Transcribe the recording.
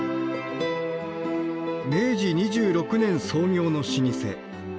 明治２６年創業の老舗。